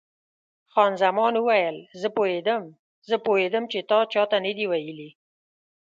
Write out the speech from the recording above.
خان زمان وویل: زه پوهېدم، زه پوهېدم چې تا چا ته نه دي ویلي.